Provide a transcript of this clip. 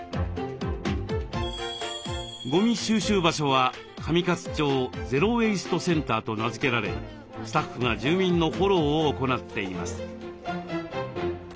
ゴミ収集場所は「上勝町ゼロ・ウェイストセンター」と名付けられスタッフが住民のフォローを行っています。